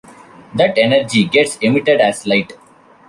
That energy gets emitted as light.